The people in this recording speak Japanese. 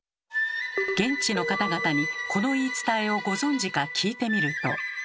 現地の方々にこの言い伝えをご存じか聞いてみると。